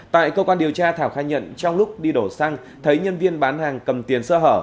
tại cơ quan điều tra thảo khai nhận trong lúc đi đổ xăng thấy nhân viên bán hàng cầm tiền sơ hở